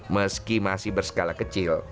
meski masih berskala kecil